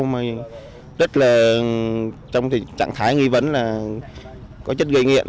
mà rất là trong tình trạng thái nghi vấn là có chất gây nghiện